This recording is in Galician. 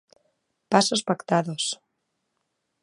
Pasos pactados.